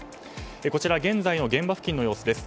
こちら現在の現場付近の様子です。